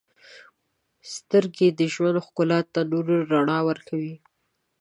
• سترګې د ژوند ښکلا ته نور رڼا ورکوي.